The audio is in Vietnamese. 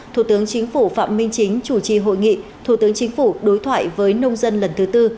thủ tướng chính phủ phạm minh chính chủ trì hội nghị thủ tướng chính phủ đối thoại với nông dân lần thứ tư